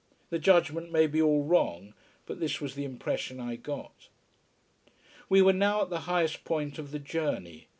The judgment may be all wrong: but this was the impression I got. We were now at the highest point of the journey.